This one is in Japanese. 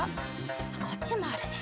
こっちもあるね。